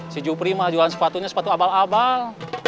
si juprik mah jualan sepatunya sepatu abal abal